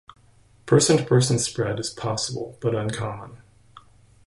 Person-to-person spread is possible, but uncommon.